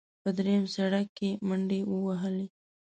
په درېیم سړک کې منډې ووهلې.